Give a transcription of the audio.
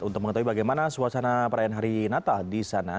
untuk mengetahui bagaimana suasana perayaan hari natal di sana